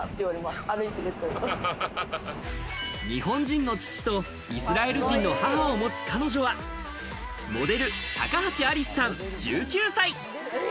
日本人の父とイスラエル人の母を持つ彼女はモデル・高橋アリスさん、１９歳。